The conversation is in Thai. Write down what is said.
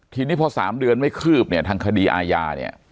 ทีนี้พอ๓เดือนไม่คืบเนี่ยทางคดีอาญาเนี่ย